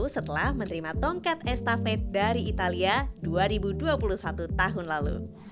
setelah menerima tongkat estafet dari italia dua ribu dua puluh satu tahun lalu